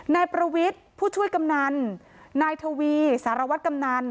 นายประวิทย์ผู้ช่วยกำนันนายทวีสารวัตรกำนัน